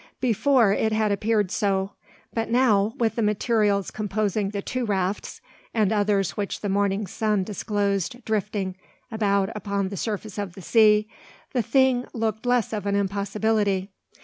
Before it had appeared so; but now, with the materials composing the two rafts, and others which the morning sun disclosed drifting about upon the surface of the sea, the thing looked less of an impossibility.